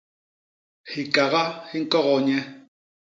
Hikaga hi ñkogoo nye.